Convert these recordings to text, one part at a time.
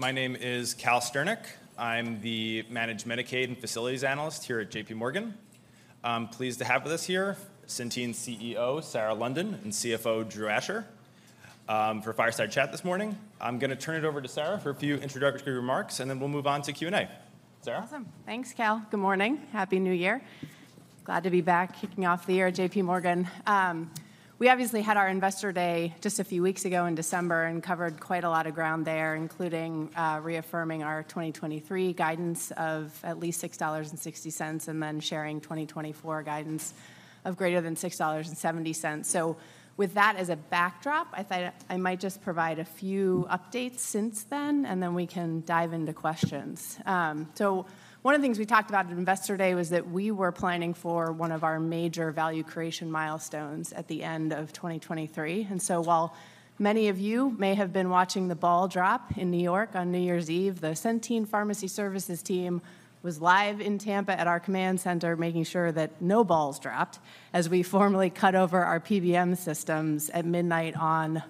My name is Cal Sternick. I'm the Managed Medicaid and Facilities Analyst here at JPMorgan. I'm pleased to have with us here, Centene CEO, Sarah London, and CFO, Drew Asher, for Fireside Chat this morning. I'm gonna turn it over to Sarah for a few introductory remarks, and then we'll move on to Q&A. Sarah? Awesome. Thanks, Cal. Good morning. Happy New Year. Glad to be back, kicking off the year at JPMorgan. We obviously had our Investor Day just a few weeks ago in December and covered quite a lot of ground there, including, reaffirming our 2023 guidance of at least $6.60, and then sharing 2024 guidance of greater than $6.70. So with that as a backdrop, I thought I might just provide a few updates since then, and then we can dive into questions. So one of the things we talked about at Investor Day was that we were planning for one of our major value creation milestones at the end of 2023. While many of you may have been watching the ball drop in New York on New Year's Eve, the Centene Pharmacy Services team was live in Tampa at our command center, making sure that no balls dropped, as we formally cut over our PBM systems at midnight on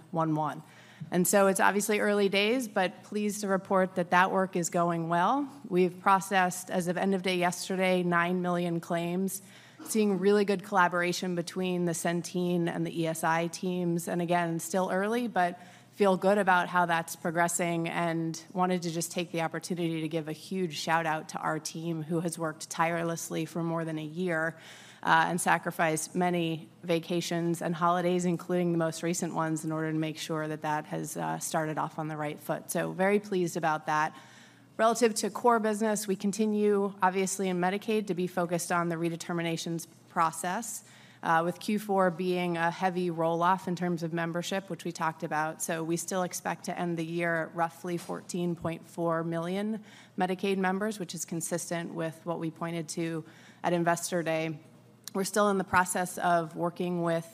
1/1. It's obviously early days, but pleased to report that that work is going well. We've processed, as of end of day yesterday, 9 million claims, seeing really good collaboration between the Centene and the ESI teams. And again, still early, but feel good about how that's progressing and wanted to just take the opportunity to give a huge shout-out to our team, who has worked tirelessly for more than a year, and sacrificed many vacations and holidays, including the most recent ones, in order to make sure that that has started off on the right foot. So very pleased about that. Relative to core business, we continue, obviously, in Medicaid, to be focused on the redeterminations process, with Q4 being a heavy roll-off in terms of membership, which we talked about. So we still expect to end the year at roughly 14.4 million Medicaid members, which is consistent with what we pointed to at Investor Day. We're still in the process of working with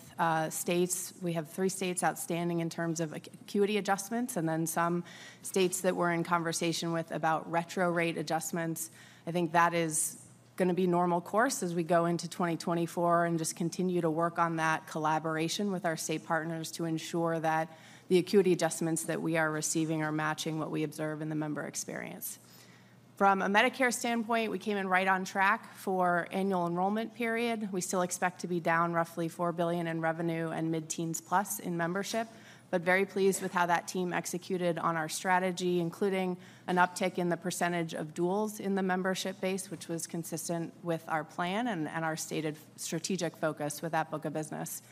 states. We have three states outstanding in terms of acuity adjustments, and then some states that we're in conversation with about retro rate adjustments. I think that is gonna be normal course as we go into 2024 and just continue to work on that collaboration with our state partners to ensure that the acuity adjustments that we are receiving are matching what we observe in the member experience. From a Medicare standpoint, we came in right on track for annual enrollment period. We still expect to be down roughly $4 billion in revenue and mid-teens+ in membership, but very pleased with how that team executed on our strategy, including an uptick in the percentage of duals in the membership base, which was consistent with our plan and our stated strategic focus with that book of business.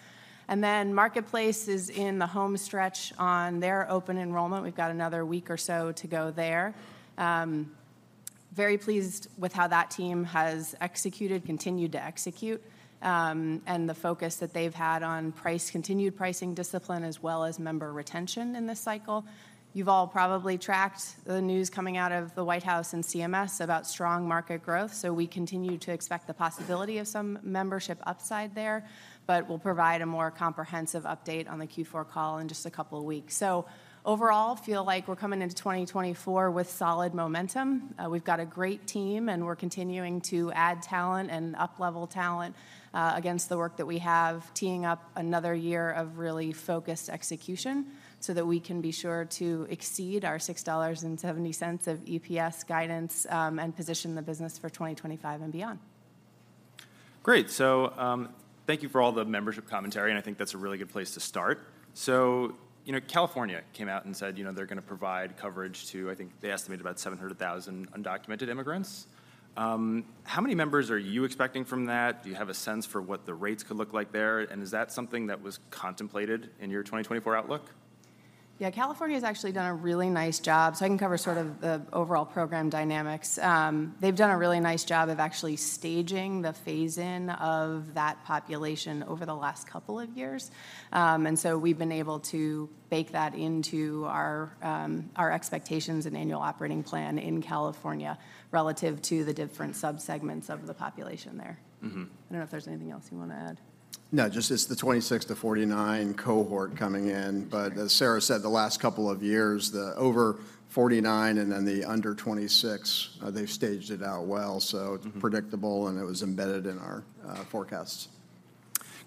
Marketplace is in the home stretch on their open enrollment. We've got another week or so to go there. Very pleased with how that team has executed, continued to execute, and the focus that they've had on price, continued pricing discipline, as well as member retention in this cycle. You've all probably tracked the news coming out of the White House and CMS about strong market growth, so we continue to expect the possibility of some membership upside there, but we'll provide a more comprehensive update on the Q4 call in just a couple of weeks. Overall, feel like we're coming into 2024 with solid momentum. We've got a great team, and we're continuing to add talent and up-level talent, against the work that we have, teeing up another year of really focused execution so that we can be sure to exceed our $6.70 of EPS guidance, and position the business for 2025 and beyond. Great. So, thank you for all the membership commentary, and I think that's a really good place to start. So, you know, California came out and said, you know, they're gonna provide coverage to, I think, they estimated about 700,000 undocumented immigrants. How many members are you expecting from that? Do you have a sense for what the rates could look like there, and is that something that was contemplated in your 2024 outlook? Yeah, California has actually done a really nice job, so I can cover sort of the overall program dynamics. They've done a really nice job of actually staging the phase-in of that population over the last couple of years. And so we've been able to bake that into our expectations and annual operating plan in California relative to the different subsegments of the population there. Mm-hmm. I don't know if there's anything else you want to add. No, just it's the 26-49 cohort coming in. Right. But as Sarah said, the last couple of years, the over 49 and then the under 26, they've staged it out well, so- Mm-hmm... predictable, and it was embedded in our forecasts.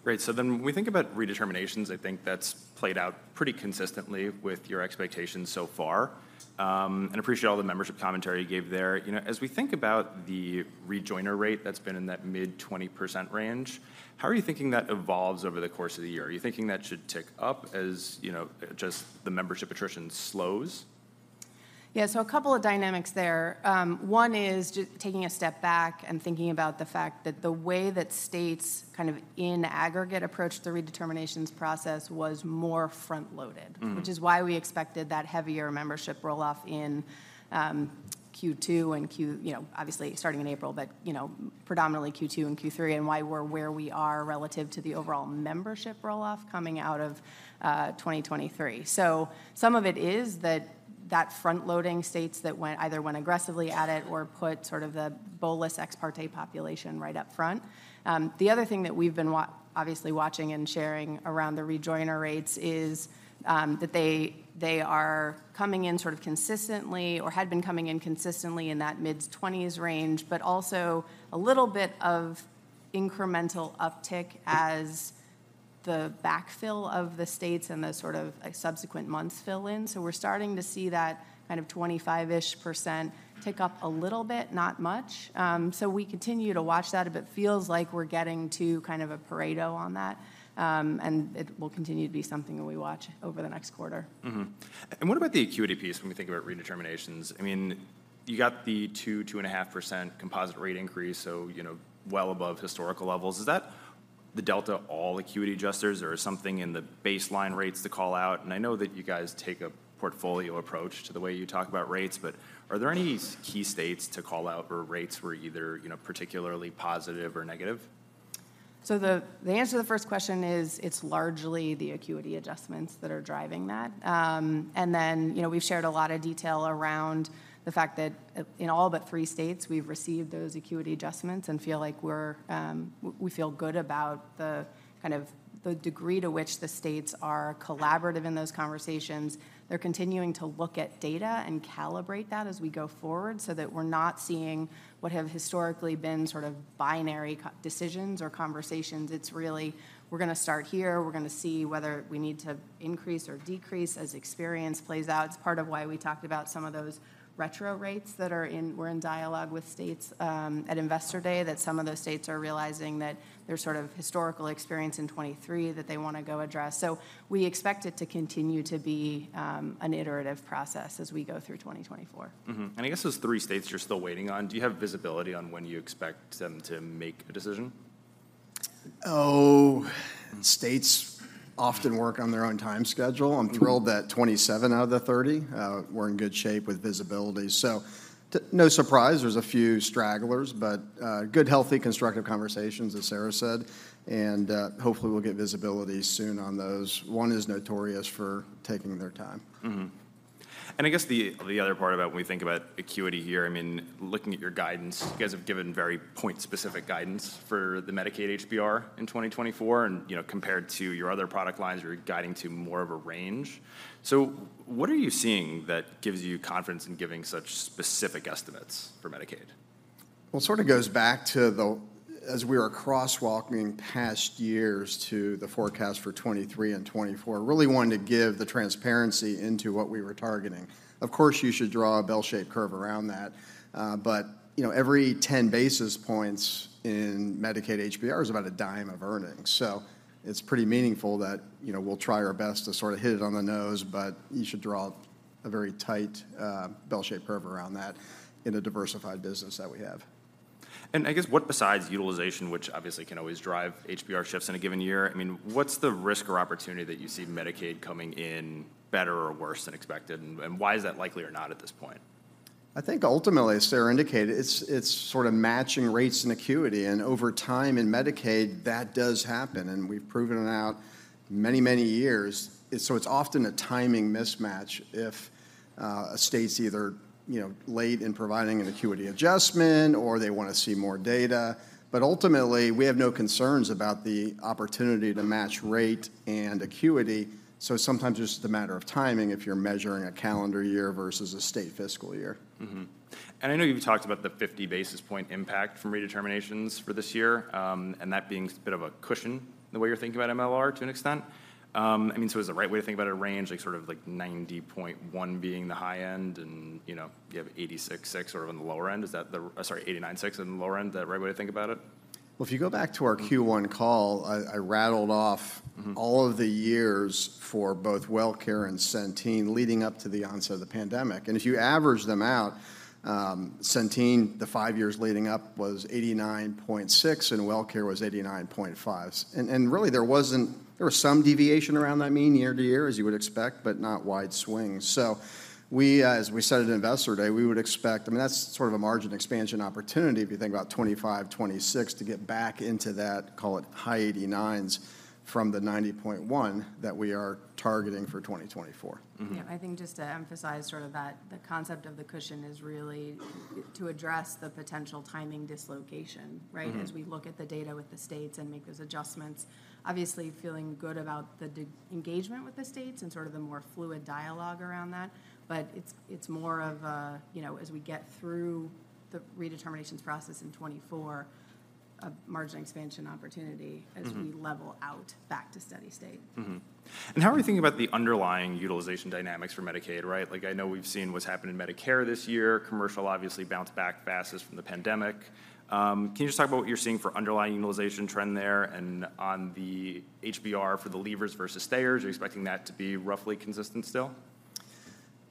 Great. So then when we think about redeterminations, I think that's played out pretty consistently with your expectations so far, and appreciate all the membership commentary you gave there. You know, as we think about the rejoiner rate that's been in that mid-20% range, how are you thinking that evolves over the course of the year? Are you thinking that should tick up, you know, just the membership attrition slows? Yeah, so a couple of dynamics there. One is just taking a step back and thinking about the fact that the way that states kind of in aggregate approached the redeterminations process was more front-loaded- Mm... which is why we expected that heavier membership roll-off in Q2 and, you know, obviously, starting in April, but, you know, predominantly Q2 and Q3, and why we're where we are relative to the overall membership roll-off coming out of 2023. So some of it is that that front-loading states that either went aggressively at it or put sort of the bolus ex parte population right up front. The other thing that we've been obviously watching and sharing around the rejoiner rates is that they are coming in sort of consistently or had been coming in consistently in that mid-20s range, but also a little bit of incremental uptick as the backfill of the states and the sort of subsequent months fill in. So we're starting to see that kind of 25-ish % tick up a little bit, not much. So we continue to watch that. If it feels like we're getting to kind of a Pareto on that, and it will continue to be something that we watch over the next quarter. Mm-hmm. And what about the acuity piece when we think about redeterminations? I mean, you got the 2%-2.5% composite rate increase, so, you know, well above historical levels. Is that the delta all acuity adjusters or something in the baseline rates to call out? And I know that you guys take a portfolio approach to the way you talk about rates, but are there any key states to call out where rates were either, you know, particularly positive or negative? So the answer to the first question is, it's largely the acuity adjustments that are driving that. And then, you know, we've shared a lot of detail around the fact that, in all but three states, we've received those acuity adjustments and feel like we're, we feel good about the kind of the degree to which the states are collaborative in those conversations. They're continuing to look at data and calibrate that as we go forward, so that we're not seeing what have historically been sort of binary decisions or conversations. It's really, we're gonna start here, we're gonna see whether we need to increase or decrease as experience plays out. It's part of why we talked about some of those retro rates that we're in dialogue with states, at Investor Day, that some of those states are realizing that their sort of historical experience in 2023, that they want to go address. So we expect it to continue to be an iterative process as we go through 2024. Mm-hmm. And I guess those three states you're still waiting on, do you have visibility on when you expect them to make a decision? Oh, states often work on their own time schedule. Mm. I'm thrilled that 27 out of the 30 were in good shape with visibility. So no surprise, there's a few stragglers, but good, healthy, constructive conversations, as Sarah said, and hopefully we'll get visibility soon on those. One is notorious for taking their time. Mm-hmm. And I guess the, the other part about when we think about acuity here, I mean, looking at your guidance, you guys have given very point-specific guidance for the Medicaid HBR in 2024, and, you know, compared to your other product lines, you're guiding to more of a range. So what are you seeing that gives you confidence in giving such specific estimates for Medicaid? Well, it sort of goes back to as we are crosswalking past years to the forecast for 2023 and 2024, really wanting to give the transparency into what we were targeting. Of course, you should draw a bell-shaped curve around that, but, you know, every 10 basis points in Medicaid HBR is about a dime of earnings. So it's pretty meaningful that, you know, we'll try our best to sort of hit it on the nose, but you should draw a very tight, bell-shaped curve around that in the diversified business that we have. I guess what, besides utilization, which obviously can always drive HBR shifts in a given year, I mean, what's the risk or opportunity that you see Medicaid coming in better or worse than expected, and, and why is that likely or not at this point? I think ultimately, as Sarah indicated, it's, it's sort of matching rates and acuity, and over time in Medicaid, that does happen, and we've proven it out many, many years. So it's often a timing mismatch if a state's either, you know, late in providing an acuity adjustment or they want to see more data. But ultimately, we have no concerns about the opportunity to match rate and acuity, so sometimes it's just a matter of timing if you're measuring a calendar year versus a state fiscal year. Mm-hmm. I know you've talked about the 50 basis point impact from redeterminations for this year, and that being a bit of a cushion, the way you're thinking about MLR, to an extent. I mean, so is the right way to think about a range, like, sort of like 90.1% being the high end and, you know, you have 86.6% sort of on the lower end? Is that the... Sorry, 89.6% in the lower end, the right way to think about it? Well, if you go back to our Q1 call, I rattled off- Mm-hmm... all of the years for both WellCare and Centene, leading up to the onset of the pandemic, and if you average them out, Centene, the five years leading up was 89.6%, and WellCare was 89.5%. And really there was some deviation around that mean year to year, as you would expect, but not wide swings. So we, as we said at Investor Day, we would expect, I mean, that's sort of a margin expansion opportunity if you think about 2025, 2026 to get back into that, call it, high 89%s from the 90.1% that we are targeting for 2024. Mm-hmm. Yeah, I think just to emphasize sort of that, the concept of the cushion is really to address the potential timing dislocation, right? Mm-hmm. As we look at the data with the states and make those adjustments, obviously feeling good about the disengagement with the states and sort of the more fluid dialogue around that, but it's, it's more of a, you know, as we get through the redeterminations process in 2024, a margin expansion opportunity- Mm-hmm... as we level out back to steady state. Mm-hmm. And how are we thinking about the underlying utilization dynamics for Medicaid, right? Like, I know we've seen what's happened in Medicare this year. Commercial obviously bounced back fastest from the pandemic. Can you just talk about what you're seeing for underlying utilization trend there, and on the HBR for the leavers versus stayers, are you expecting that to be roughly consistent still?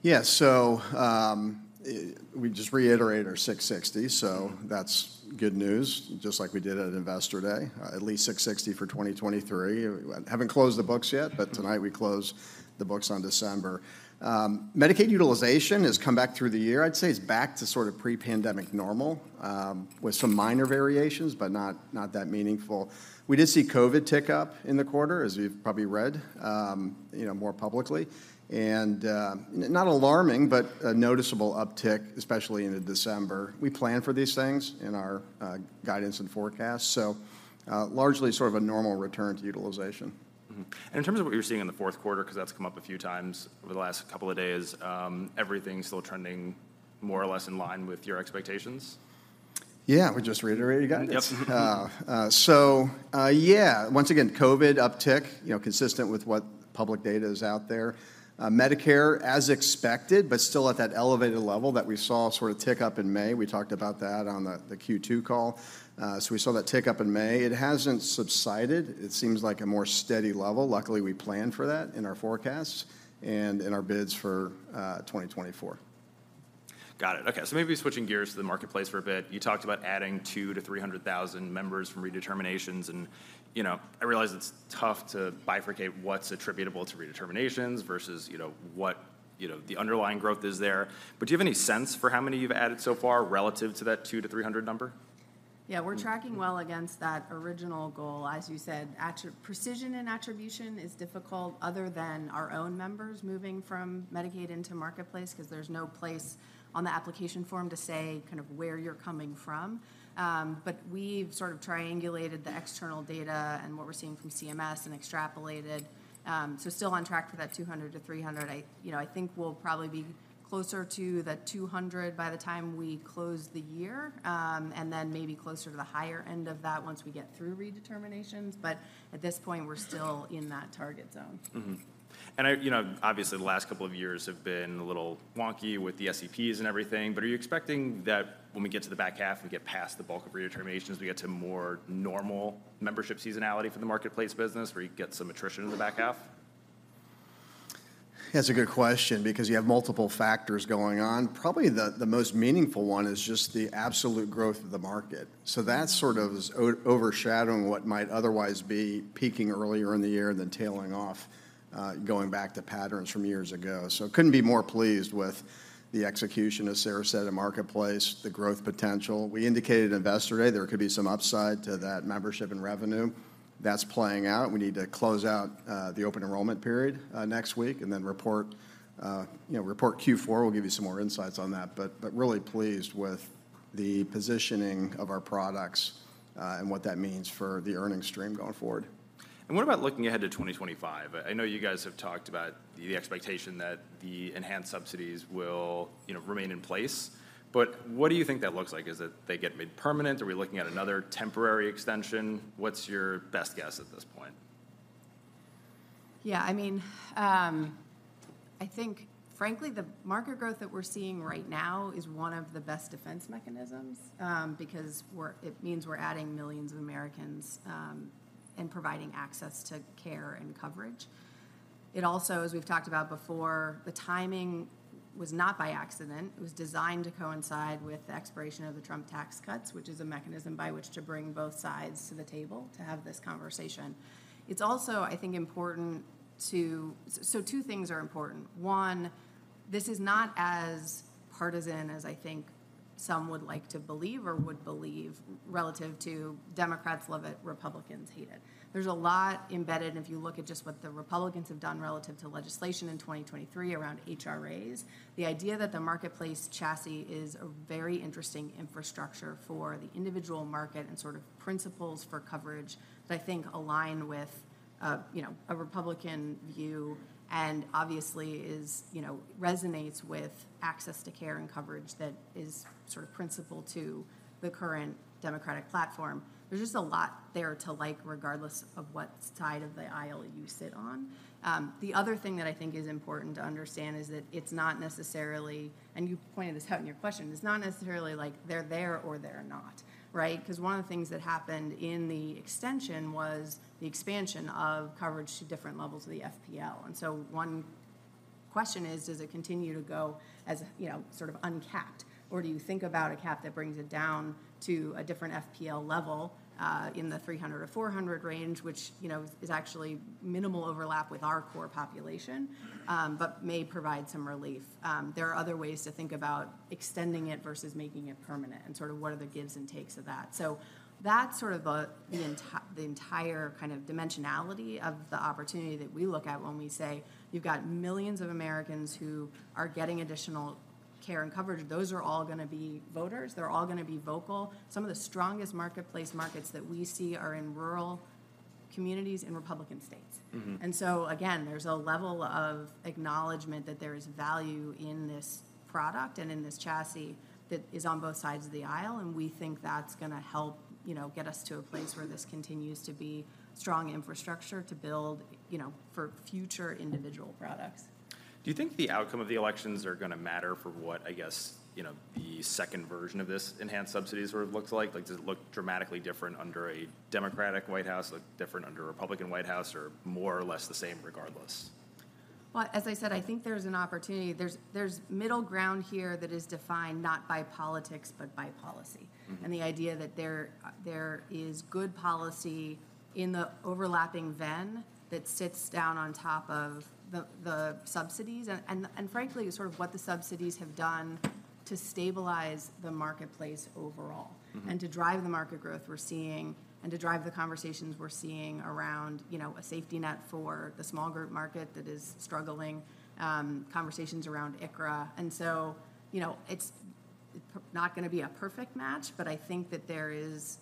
Yeah. So, we just reiterated our $6.60, so that's good news, just like we did at Investor Day, at least $6.60 for 2023. We haven't closed the books yet, but tonight we close the books on December. Medicaid utilization has come back through the year. I'd say it's back to sort of pre-pandemic normal, with some minor variations, but not, not that meaningful. We did see COVID tick up in the quarter, as you've probably read, you know, more publicly, and, not alarming, but a noticeable uptick, especially into December. We plan for these things in our, guidance and forecasts, so, largely sort of a normal return to utilization. Mm-hmm. In terms of what you're seeing in the fourth quarter, because that's come up a few times over the last couple of days, everything still trending more or less in line with your expectations? Yeah, we just reiterate you guys? Yep. So, yeah, once again, COVID uptick, you know, consistent with what public data is out there. Medicare, as expected, but still at that elevated level that we saw sort of tick up in May. We talked about that on the Q2 call. So we saw that tick up in May. It hasn't subsided. It seems like a more steady level. Luckily, we planned for that in our forecasts and in our bids for 2024. Got it. Okay, so maybe switching gears to the marketplace for a bit. You talked about adding 200,000-300,000 members from redeterminations, and, you know, I realize it's tough to bifurcate what's attributable to redeterminations versus, you know, what, you know, the underlying growth is there. But do you have any sense for how many you've added so far relative to that 200,000-300,000 number? Yeah, we're tracking well against that original goal. As you said, attribution precision and attribution is difficult other than our own members moving from Medicaid into marketplace, 'cause there's no place on the application form to say kind of where you're coming from. But we've sort of triangulated the external data and what we're seeing from CMS and extrapolated, so still on track for that 200-300. I, you know, I think we'll probably be closer to the 200 by the time we close the year, and then maybe closer to the higher end of that once we get through redeterminations, but at this point, we're still in that target zone. Mm-hmm. And I, you know, obviously, the last couple of years have been a little wonky with the SEPs and everything, but are you expecting that when we get to the back half and get past the bulk of redeterminations, we get to more normal membership seasonality for the marketplace business, where you get some attrition in the back half? That's a good question because you have multiple factors going on. Probably the most meaningful one is just the absolute growth of the market, so that sort of is overshadowing what might otherwise be peaking earlier in the year and then tailing off, going back to patterns from years ago. So couldn't be more pleased with the execution, as Sarah said, of marketplace, the growth potential. We indicated at Investor Day there could be some upside to that membership and revenue. That's playing out. We need to close out the open enrollment period next week, and then report, you know, report Q4. We'll give you some more insights on that, but really pleased with the positioning of our products, and what that means for the earnings stream going forward. And what about looking ahead to 2025? I know you guys have talked about the expectation that the enhanced subsidies will, you know, remain in place, but what do you think that looks like? Is it they get made permanent? Are we looking at another temporary extension? What's your best guess at this point? Yeah, I mean, I think frankly, the market growth that we're seeing right now is one of the best defense mechanisms, because it means we're adding millions of Americans, and providing access to care and coverage. It also, as we've talked about before, the timing was not by accident. It was designed to coincide with the expiration of the Trump tax cuts, which is a mechanism by which to bring both sides to the table to have this conversation. It's also, I think, important to... So two things are important: one, this is not as partisan as I think some would like to believe or would believe, relative to Democrats love it, Republicans hate it. There's a lot embedded, and if you look at just what the Republicans have done relative to legislation in 2023 around HRAs, the idea that the marketplace chassis is a very interesting infrastructure for the individual market and sort of principles for coverage that I think align with, you know, a Republican view, and obviously is, you know, resonates with access to care and coverage that is sort of principal to the current Democratic platform. There's just a lot there to like, regardless of what side of the aisle you sit on. The other thing that I think is important to understand is that it's not necessarily, and you pointed this out in your question, it's not necessarily like they're there or they're not, right? 'Cause one of the things that happened in the extension was the expansion of coverage to different levels of the FPL. One question is, does it continue to go as, you know, sort of uncapped, or do you think about a cap that brings it down to a different FPL level in the 300 or 400 range, which, you know, is actually minimal overlap with our core population, but may provide some relief? There are other ways to think about extending it versus making it permanent, and sort of what are the gives and takes of that. So that's sort of the entire kind of dimensionality of the opportunity that we look at when we say you've got millions of Americans who are getting additional care and coverage. Those are all gonna be voters. They're all gonna be vocal. Some of the strongest marketplace markets that we see are in rural communities in Republican states. Mm-hmm. And so again, there's a level of acknowledgement that there is value in this product and in this chassis that is on both sides of the aisle, and we think that's gonna help, you know, get us to a place where this continues to be strong infrastructure to build, you know, for future individual products. Do you think the outcome of the elections are gonna matter for what, I guess, you know, the second version of this enhanced subsidy sort of looks like? Like, does it look dramatically different under a Democratic White House, look different under a Republican White House, or more or less the same regardless? Well, as I said, I think there's an opportunity. There's middle ground here that is defined not by politics, but by policy. Mm-hmm. The idea that there is good policy in the overlapping Venn that sits down on top of the subsidies and frankly, sort of what the subsidies have done to stabilize the marketplace overall. Mm-hmm And to drive the market growth we're seeing and to drive the conversations we're seeing around, you know, a safety net for the small group market that is struggling, conversations around ICHRA. And so, you know, it's not gonna be a perfect match, but I think that there is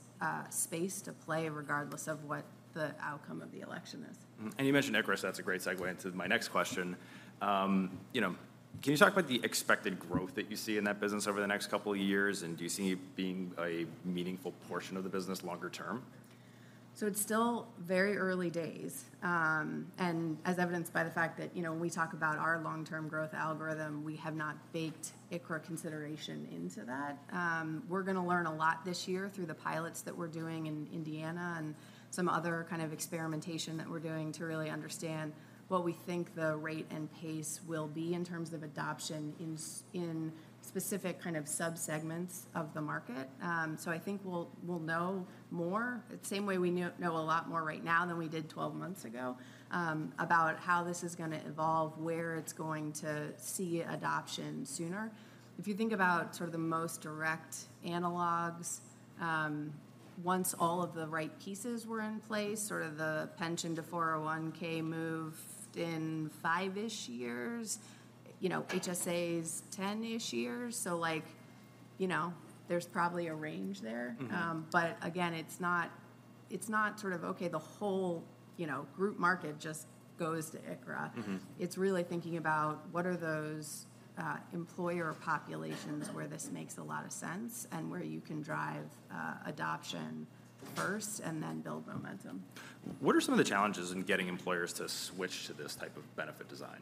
space to play regardless of what the outcome of the election is. Mm-hmm. And you mentioned ICHRA, so that's a great segue into my next question. Can you talk about the expected growth that you see in that business over the next couple of years? And do you see it being a meaningful portion of the business longer term? It's still very early days, and as evidenced by the fact that, you know, when we talk about our long-term growth algorithm, we have not baked ICHRA consideration into that. We're gonna learn a lot this year through the pilots that we're doing in Indiana and some other kind of experimentation that we're doing to really understand what we think the rate and pace will be in terms of adoption in specific kind of sub-segments of the market. So I think we'll know more, the same way we know a lot more right now than we did 12 months ago, about how this is gonna evolve, where it's going to see adoption sooner. If you think about sort of the most direct analogs, once all of the right pieces were in place, sort of the pension to 401 moved in five-ish years, you know, HSAs, 10-ish years. So, like, you know, there's probably a range there. Mm-hmm. But again, it's not sort of okay, the whole, you know, group market just goes to ICHRA. Mm-hmm. It's really thinking about what are those employer populations where this makes a lot of sense, and where you can drive adoption first, and then build momentum. What are some of the challenges in getting employers to switch to this type of benefit design?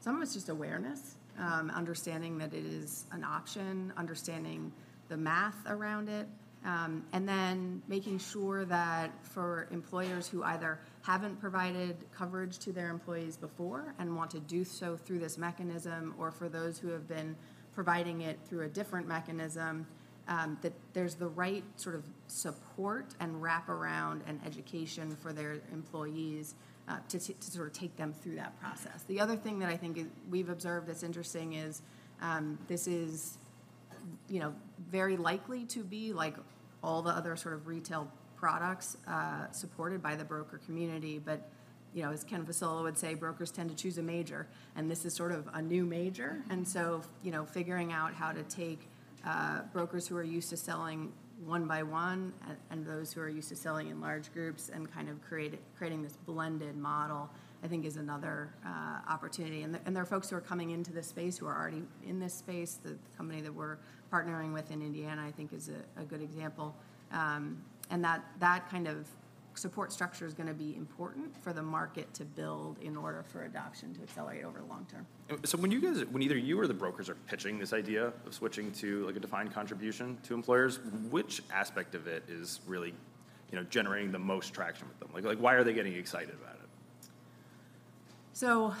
Some of it's just awareness, understanding that it is an option, understanding the math around it. And then making sure that for employers who either haven't provided coverage to their employees before and want to do so through this mechanism, or for those who have been providing it through a different mechanism, that there's the right sort of support, and wraparound, and education for their employees, to sort of take them through that process. The other thing that I think we've observed that's interesting is, this is, you know, very likely to be like all the other sort of retail products, supported by the broker community. But, you know, as Ken Fasola would say, "Brokers tend to choose a major," and this is sort of a new major. Mm-hmm. And so, you know, figuring out how to take brokers who are used to selling one by one, and those who are used to selling in large groups, and kind of creating this blended model, I think is another opportunity. And there are folks who are coming into this space, who are already in this space. The company that we're partnering with in Indiana, I think is a good example. And that kind of support structure is gonna be important for the market to build in order for adoption to accelerate over the long term. And so when you guys, when either you or the brokers are pitching this idea of switching to, like, a defined contribution to employers, which aspect of it is really, you know, generating the most traction with them? Like, why are they getting excited about it? So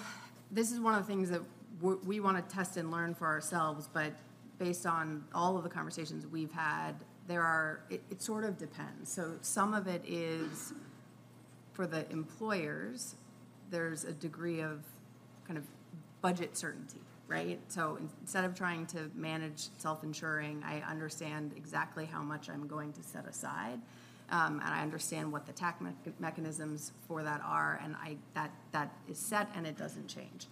this is one of the things that we wanna test and learn for ourselves, but based on all of the conversations we've had, there are. It sort of depends. So some of it is, for the employers, there's a degree of kind of budget certainty, right? So instead of trying to manage self-insuring, I understand exactly how much I'm going to set aside, and I understand what the tax mechanisms for that are, and that is set, and it doesn't change.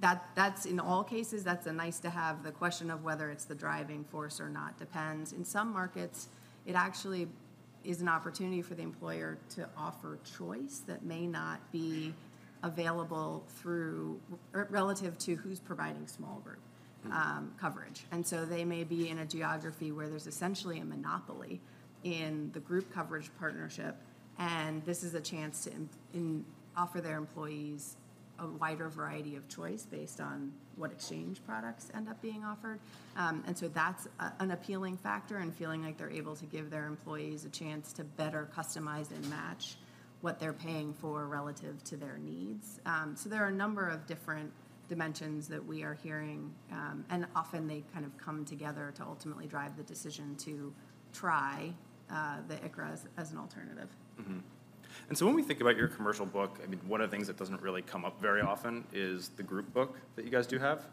That is in all cases a nice-to-have. The question of whether it's the driving force or not depends. In some markets, it actually is an opportunity for the employer to offer choice that may not be available through, relative to who's providing small group coverage. Hmm. They may be in a geography where there's essentially a monopoly in the group coverage partnership, and this is a chance to offer their employees a wider variety of choice based on what exchange products end up being offered. That's an appealing factor in feeling like they're able to give their employees a chance to better customize and match what they're paying for relative to their needs. There are a number of different dimensions that we are hearing, and often they kind of come together to ultimately drive the decision to try the ICHRAs as an alternative. Mm-hmm. And so when we think about your commercial book, I mean, one of the things that doesn't really come up very often is the group book that you guys do have.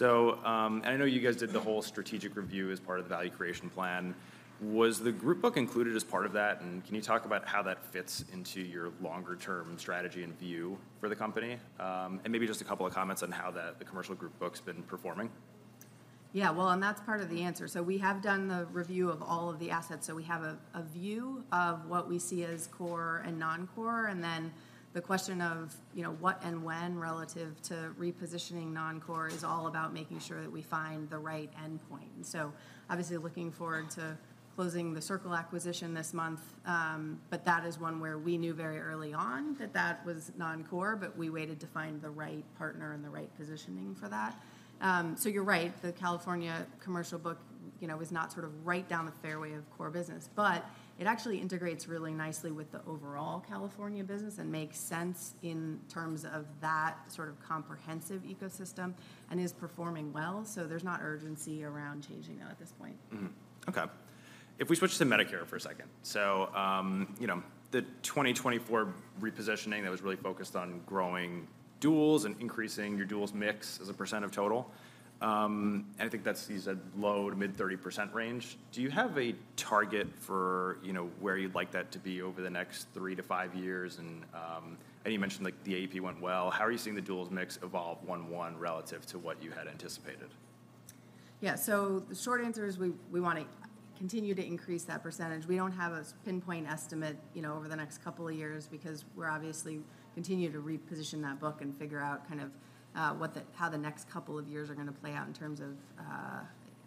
I know you guys did the whole strategic review as part of the value creation plan. Was the group book included as part of that? And can you talk about how that fits into your longer-term strategy and view for the company? And maybe just a couple of comments on how the commercial group book's been performing. Yeah, well, and that's part of the answer. So we have done the review of all of the assets, so we have a view of what we see as core and non-core. And then the question of, you know, what and when relative to repositioning non-core is all about making sure that we find the right endpoint. So obviously, looking forward to closing the Circle acquisition this month, but that is one where we knew very early on that that was non-core, but we waited to find the right partner and the right positioning for that. So you're right. The California commercial book, you know, is not sort of right down the fairway of core business. But it actually integrates really nicely with the overall California business and makes sense in terms of that sort of comprehensive ecosystem and is performing well, so there's not urgency around changing that at this point. Mm-hmm. Okay. If we switch to Medicare for a second. So, you know, the 2024 repositioning, that was really focused on growing duals and increasing your duals mix as a percent of total. And I think that sees a low- to mid-30% range. Do you have a target for, you know, where you'd like that to be over the next three to five years? And you mentioned, like, the AEP went well. How are you seeing the duals mix evolve 1/1, relative to what you had anticipated? Yeah, so the short answer is we wanna continue to increase that percentage. We don't have a pinpoint estimate, you know, over the next couple of years, because we're obviously continue to reposition that book and figure out kind of how the next couple of years are gonna play out in terms of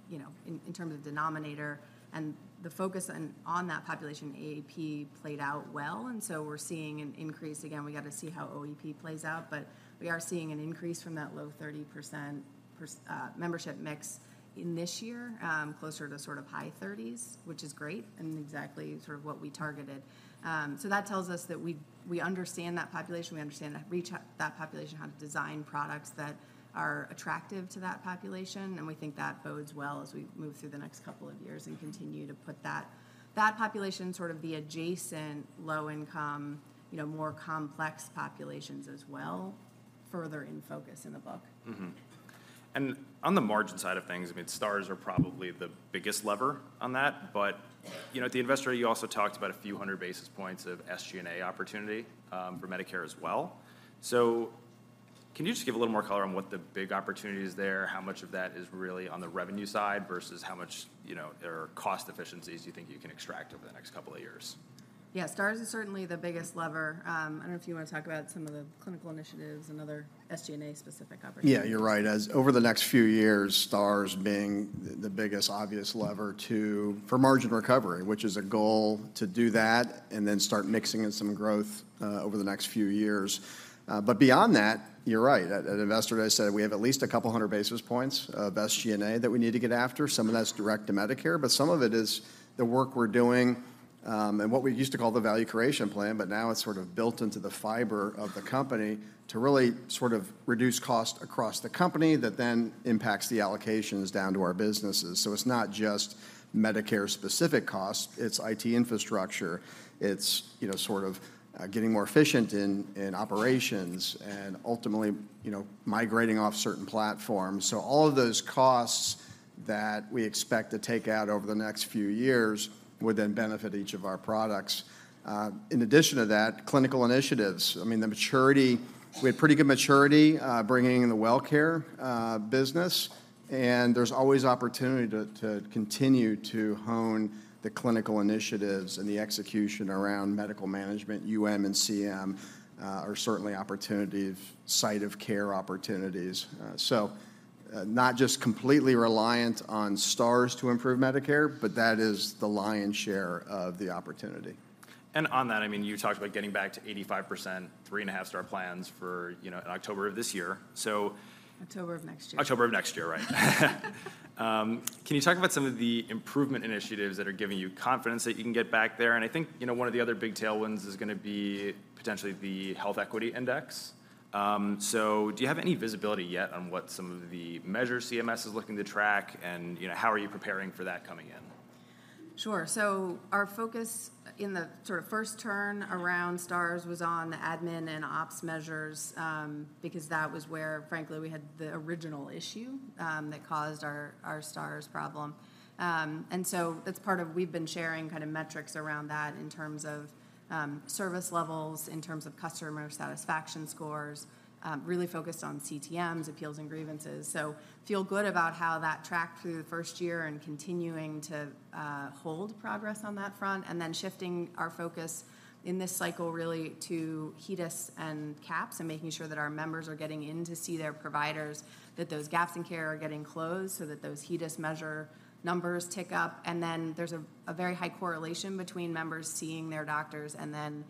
you know in terms of denominator. And the focus on that population, AEP, played out well, and so we're seeing an increase. Again, we gotta see how OEP plays out, but we are seeing an increase from that low 30% per membership mix in this year, closer to sort of high 30s, which is great, and exactly sort of what we targeted. So that tells us that we understand that population, we understand how to reach that population, how to design products that are attractive to that population, and we think that bodes well as we move through the next couple of years and continue to put that population, sort of the adjacent low income, you know, more complex populations as well, further in focus in the book. Mm-hmm. And on the margin side of things, I mean, Stars are probably the biggest lever on that. But, you know, at the investor, you also talked about a few hundred basis points of SG&A opportunity for Medicare as well. So can you just give a little more color on what the big opportunity is there? How much of that is really on the revenue side versus how much, you know, there are cost efficiencies you think you can extract over the next couple of years? Yeah, Stars is certainly the biggest lever. I don't know if you wanna talk about some of the clinical initiatives and other SG&A specific opportunities. Yeah, you're right. As over the next few years, Stars being the biggest obvious lever to for margin recovery, which is a goal to do that, and then start mixing in some growth over the next few years. But beyond that, you're right. At Investor Day, I said we have at least 200 basis points of SG&A that we need to get after. Some of that's direct to Medicare, but some of it is the work we're doing, and what we used to call the value creation plan, but now it's sort of built into the fiber of the company, to really sort of reduce cost across the company, that then impacts the allocations down to our businesses. So it's not just Medicare-specific costs, it's IT infrastructure, it's, you know, sort of getting more efficient in operations and ultimately, you know, migrating off certain platforms. So all of those costs that we expect to take out over the next few years would then benefit each of our products. In addition to that, clinical initiatives, I mean, the maturity we had pretty good maturity bringing in the WellCare business, and there's always opportunity to continue to hone the clinical initiatives and the execution around medical management. UM and CM are certainly opportunities, site of care opportunities. So not just completely reliant on stars to improve Medicare, but that is the lion's share of the opportunity. And on that, I mean, you talked about getting back to 85%, three and half-star plans for, you know, October of this year. So- October of next year. October of next year, right. Can you talk about some of the improvement initiatives that are giving you confidence that you can get back there? And I think, you know, one of the other big tailwinds is gonna be potentially the Health Equity Index. So do you have any visibility yet on what some of the measures CMS is looking to track, and, you know, how are you preparing for that coming in? Sure. So our focus in the sort of first turn around Stars was on the admin and ops measures, because that was where, frankly, we had the original issue, that caused our Stars problem. And so it's part of we've been sharing kind of metrics around that in terms of, service levels, in terms of customer satisfaction scores, really focused on CTMs, appeals, and grievances. So feel good about how that tracked through the first year and continuing to hold progress on that front, and then shifting our focus in this cycle really to HEDIS and CAHPS, and making sure that our members are getting in to see their providers, that those gaps in care are getting closed so that those HEDIS measure numbers tick up. There's a very high correlation between members seeing their doctors and then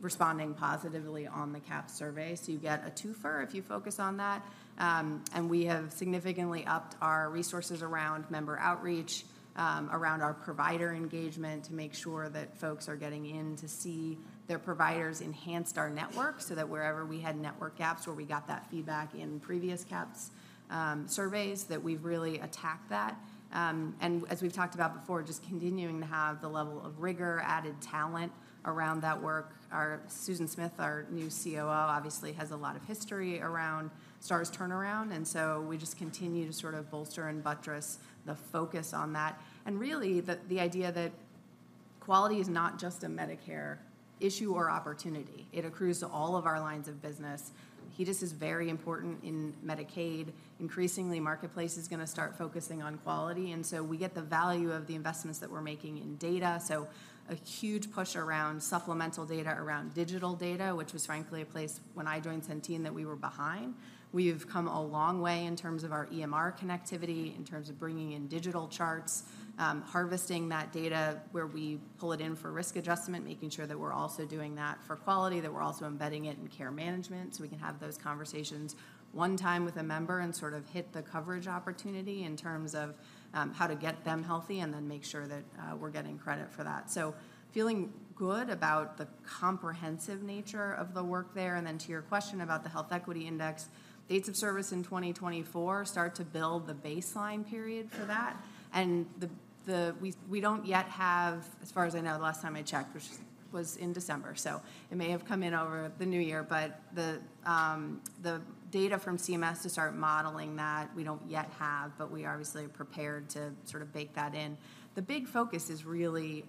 responding positively on the CAHPS survey. So you get a twofer if you focus on that. And we have significantly upped our resources around member outreach, around our provider engagement, to make sure that folks are getting in to see their providers, enhanced our network, so that wherever we had network gaps, where we got that feedback in previous CAHPS surveys, that we've really attacked that. And as we've talked about before, just continuing to have the level of rigor, added talent around that work. Our Susan Smith, our new COO, obviously, has a lot of history around Stars turnaround, and so we just continue to sort of bolster and buttress the focus on that. And really, the idea that quality is not just a Medicare issue or opportunity. It accrues to all of our lines of business. HEDIS is very important in Medicaid. Increasingly, Marketplace is gonna start focusing on quality, and so we get the value of the investments that we're making in data. So a huge push around supplemental data, around digital data, which was frankly, a place when I joined Centene, that we were behind. We've come a long way in terms of our EMR connectivity, in terms of bringing in digital charts, harvesting that data where we pull it in for risk adjustment, making sure that we're also doing that for quality, that we're also embedding it in care management. So we can have those conversations one time with a member and sort of hit the coverage opportunity in terms of, how to get them healthy, and then make sure that, we're getting credit for that. So feeling good about the comprehensive nature of the work there. And then to your question about the Health Equity Index, dates of service in 2024 start to build the baseline period for that. And the we don't yet have, as far as I know, the last time I checked, which was in December, so it may have come in over the new year, but the data from CMS to start modeling that, we don't yet have, but we obviously are prepared to sort of bake that in. The big focus is really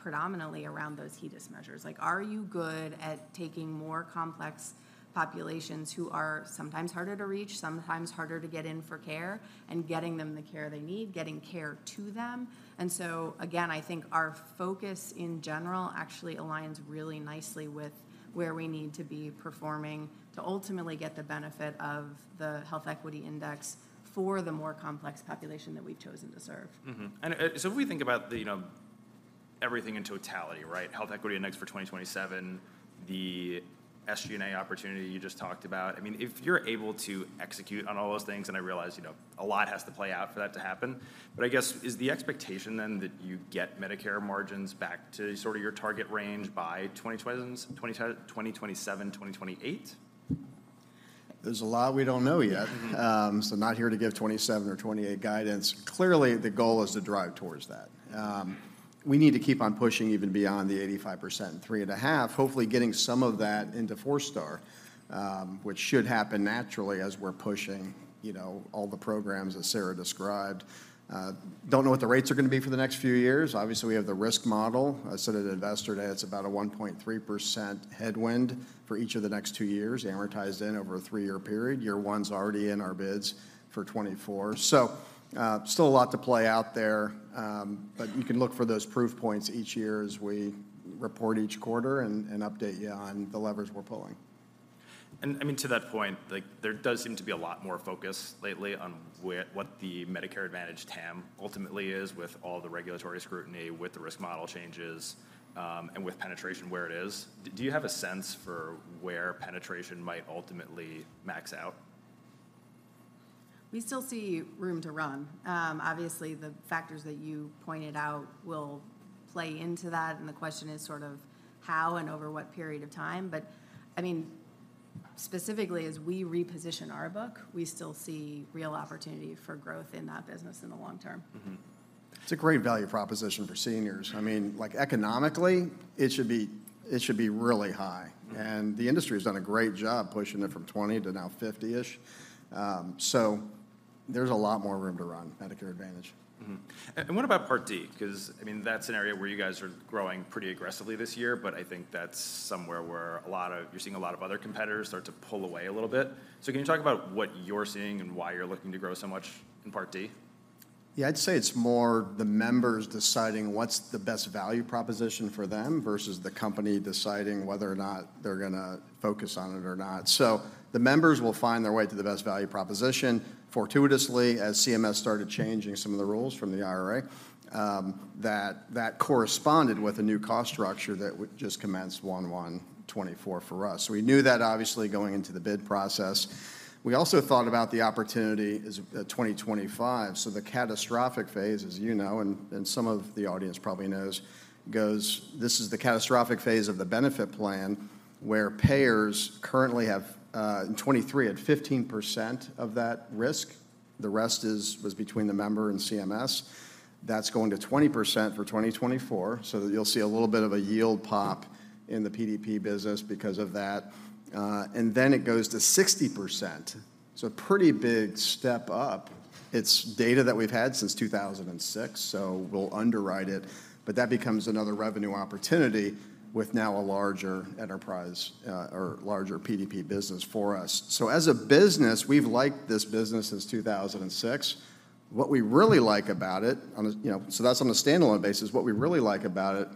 predominantly around those HEDIS measures. Like, are you good at taking more complex populations who are sometimes harder to reach, sometimes harder to get in for care, and getting them the care they need, getting care to them? And so, again, I think our focus in general actually aligns really nicely with where we need to be performing to ultimately get the benefit of the Health Equity Index for the more complex population that we've chosen to serve. Mm-hmm. And, so if we think about the, you know, everything in totality, right? Health Equity Index for 2027, the SG&A opportunity you just talked about, I mean, if you're able to execute on all those things, and I realize, you know, a lot has to play out for that to happen, but I guess, is the expectation then that you get Medicare margins back to sort of your target range by [2026], 2027, 2028? There's a lot we don't know yet. Mm-hmm. So I'm not here to give 2027 or 2028 guidance. Clearly, the goal is to drive towards that. We need to keep on pushing even beyond the 85% and three and half, hopefully getting some of that into four-star, which should happen naturally as we're pushing, you know, all the programs, as Sarah described. Don't know what the rates are gonna be for the next few years. Obviously, we have the Risk Model. I said to the investor today it's about a 1.3% headwind for each of the next two years, amortized in over a three-year period. Year one's already in our bids for 2024. So, still a lot to play out there, but you can look for those proof points each year as we report each quarter and update you on the levers we're pulling. And, I mean, to that point, like, there does seem to be a lot more focus lately on what the Medicare Advantage TAM ultimately is, with all the regulatory scrutiny, with the risk model changes, and with penetration where it is. Do you have a sense for where penetration might ultimately max out? We still see room to run. Obviously, the factors that you pointed out will play into that, and the question is sort of how and over what period of time? But, I mean, specifically, as we reposition our book, we still see real opportunity for growth in that business in the long term. Mm-hmm. It's a great value proposition for seniors. I mean, like, economically, it should be, it should be really high- Mm... and the industry's done a great job pushing it from 20 to now 50-ish. So there's a lot more room to run Medicare Advantage. Mm-hmm. And what about Part D? Cause, I mean, that's an area where you guys are growing pretty aggressively this year, but I think that's somewhere where you're seeing a lot of other competitors start to pull away a little bit. So can you talk about what you're seeing and why you're looking to grow so much in Part D? Yeah, I'd say it's more the members deciding what's the best value proposition for them versus the company deciding whether or not they're gonna focus on it or not. So the members will find their way to the best value proposition. Fortuitously, as CMS started changing some of the rules from the IRA, that corresponded with a new cost structure that just commenced 1/1/2024 for us. So we knew that obviously going into the bid process. We also thought about the opportunity as 2025. So the catastrophic phase, as you know, and some of the audience probably knows, goes... This is the catastrophic phase of the benefit plan, where payers currently have, in 2023, had 15% of that risk. The rest was between the member and CMS. That's going to 20% for 2024, so you'll see a little bit of a yield pop in the PDP business because of that, and then it goes to 60%. So a pretty big step up. It's data that we've had since 2006, so we'll underwrite it, but that becomes another revenue opportunity with now a larger enterprise, or larger PDP business for us. So as a business, we've liked this business since 2006. What we really like about it, on a, you know-- so that's on a standalone basis. What we really like about it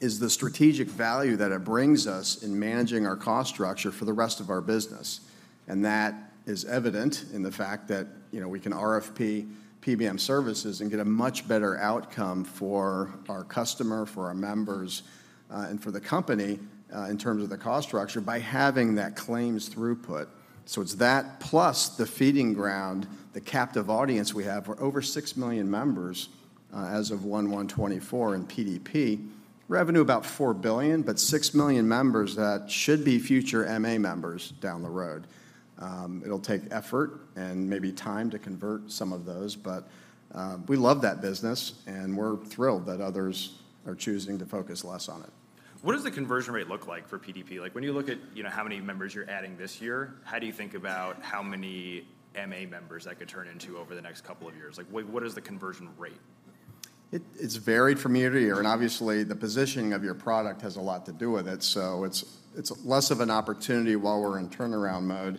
is the strategic value that it brings us in managing our cost structure for the rest of our business, and that is evident in the fact that, you know, we can RFP PBM services and get a much better outcome for our customer, for our members, and for the company, in terms of the cost structure, by having that claims throughput. So it's that, plus the feeding ground, the captive audience we have. We're over 6 million members, as of 1/1/2024 in PDP. Revenue about $4 billion, but 6 million members that should be future MA members down the road. It'll take effort and maybe time to convert some of those, but, we love that business, and we're thrilled that others are choosing to focus less on it. What does the conversion rate look like for PDP? Like, when you look at, you know, how many members you're adding this year, how do you think about how many MA members that could turn into over the next couple of years? Like, what, what is the conversion rate? It's varied from year to year, and obviously, the positioning of your product has a lot to do with it, so it's less of an opportunity while we're in turnaround mode.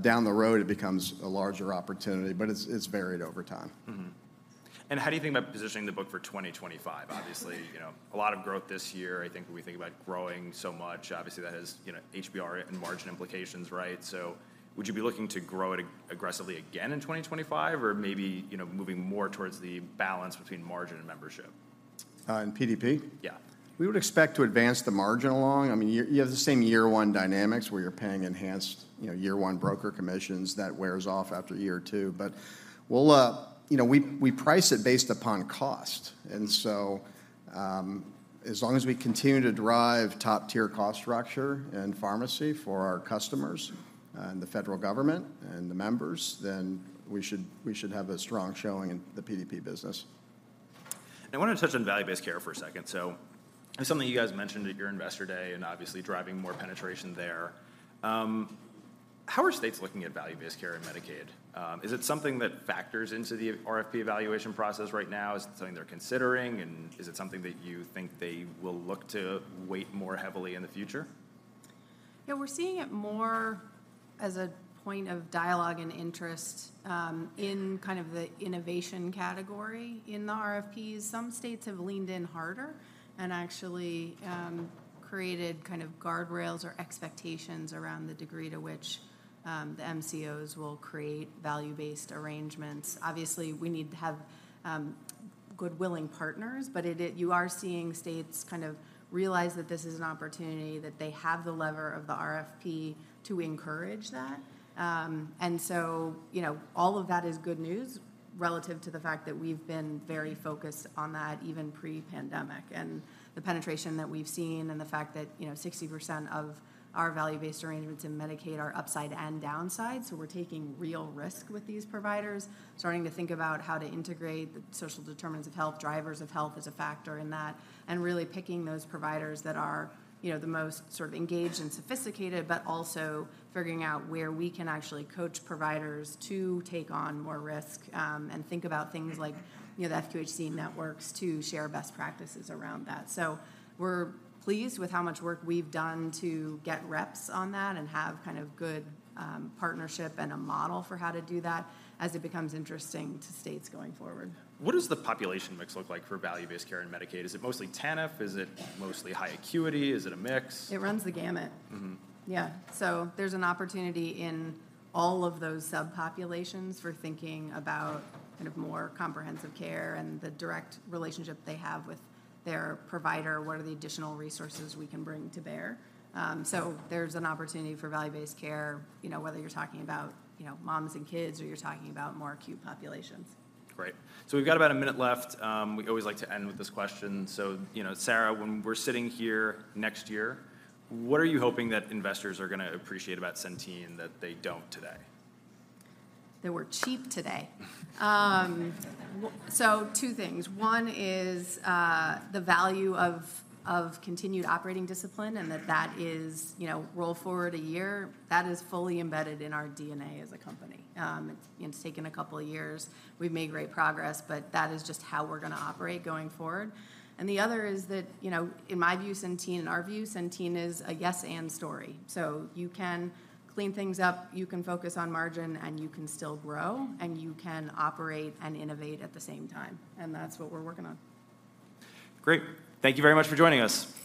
Down the road, it becomes a larger opportunity, but it's varied over time. Mm-hmm. How do you think about positioning the book for 2025? Obviously, you know, a lot of growth this year. I think when we think about growing so much, obviously, that has, you know, HBR and margin implications, right? So would you be looking to grow it aggressively again in 2025, or maybe, you know, moving more towards the balance between margin and membership? In PDP? Yeah. We would expect to advance the margin along. I mean, you have the same year-one dynamics, where you're paying enhanced, you know, year-one broker commissions. That wears off after year two. But we'll, you know, we price it based upon cost, and so, as long as we continue to drive top-tier cost structure and pharmacy for our customers, and the federal government, and the members, then we should have a strong showing in the PDP business. I want to touch on value-based care for a second. So, it's something you guys mentioned at your investor day, and obviously driving more penetration there. How are states looking at value-based care in Medicaid? Is it something that factors into the RFP evaluation process right now? Is it something they're considering, and is it something that you think they will look to weight more heavily in the future? Yeah, we're seeing it more as a point of dialogue and interest in kind of the innovation category in the RFPs. Some states have leaned in harder, and actually created kind of guardrails or expectations around the degree to which the MCOs will create value-based arrangements. Obviously, we need to have good, willing partners, but it is- you are seeing states kind of realize that this is an opportunity, that they have the lever of the RFP to encourage that. And so, you know, all of that is good news, relative to the fact that we've been very focused on that, even pre-pandemic. And the penetration that we've seen, and the fact that, you know, 60% of our value-based arrangements in Medicaid are upside and downside, so we're taking real risk with these providers. Starting to think about how to integrate the social determinants of health, drivers of health, as a factor in that, and really picking those providers that are, you know, the most sort of engaged and sophisticated. But also figuring out where we can actually coach providers to take on more risk, and think about things like, you know, the FQHC networks to share best practices around that. So we're pleased with how much work we've done to get reps on that, and have kind of good, partnership and a model for how to do that, as it becomes interesting to states going forward. What does the population mix look like for value-based care in Medicaid? Is it mostly TANF? Is it mostly high acuity? Is it a mix? It runs the gamut. Mm-hmm. Yeah. So there's an opportunity in all of those subpopulations for thinking about kind of more comprehensive care and the direct relationship they have with their provider. What are the additional resources we can bring to bear? So there's an opportunity for value-based care, you know, whether you're talking about, you know, moms and kids, or you're talking about more acute populations. Great. So we've got about a minute left. We always like to end with this question. So, you know, Sarah, when we're sitting here next year, what are you hoping that investors are gonna appreciate about Centene that they don't today? That we're cheap today. So two things. One is the value of continued operating discipline, and that is... You know, roll forward a year, that is fully embedded in our DNA as a company. It's, you know, it's taken a couple of years. We've made great progress, but that is just how we're gonna operate going forward. And the other is that, you know, in my view, Centene, in our view, Centene is a yes, and story. So you can clean things up, you can focus on margin, and you can still grow, and you can operate and innovate at the same time, and that's what we're working on. Great. Thank you very much for joining us.